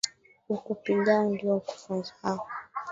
Ukupigao ndio ukufunzao